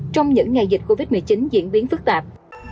trong những ngày dịch covid một mươi chín diễn biến phức tạp